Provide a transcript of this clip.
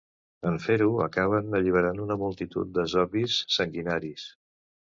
En fer-ho, acaben alliberant una multitud de zombis sanguinaris.